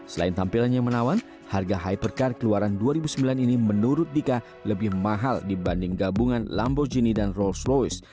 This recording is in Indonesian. selain tampilannya menawan harga hypercar keluaran dua ribu sembilan ini menurut dika lebih mahal dibanding gabungan lambogini dan rolls royce